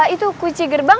itu kunci gerbang